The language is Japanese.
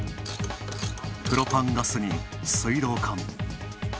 プロパンガスに水道管。